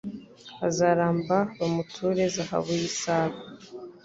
Azaramba bamuture zahabu y’i Saba